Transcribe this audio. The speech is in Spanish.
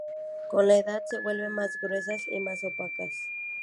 Con la edad, se vuelven más gruesas y más opacas.